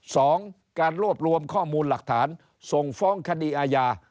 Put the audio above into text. สองการรวบรวมข้อมูลหลักฐานส่งฟ้องคดีอาญา